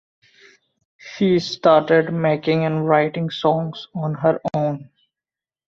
She started making and writing songs on her own.